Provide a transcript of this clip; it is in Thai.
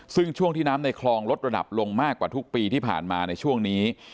ซึ่งช่วงที่น้ำในคลองลดระดับลงมากกว่าทุกปีที่ผ่านมาในช่วงนี้